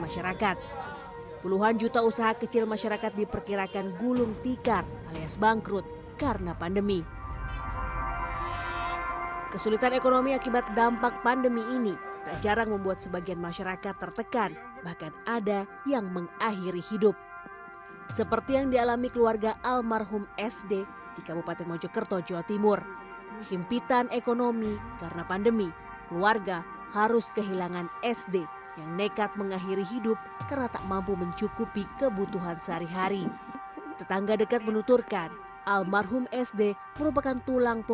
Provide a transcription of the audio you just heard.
sepatutnya masyarakat terutama keluarga terdekat